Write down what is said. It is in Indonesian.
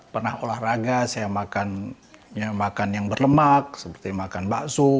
karena olahraga saya makan yang berlemak seperti makan bakso